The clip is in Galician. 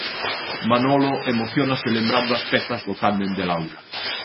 Manolo emociónase lembrando as pezas do tándem de Laura.